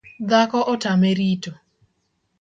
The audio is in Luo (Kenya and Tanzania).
Dhako otame rito